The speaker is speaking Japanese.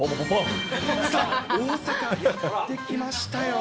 さあ、大阪にやって来ましたよ。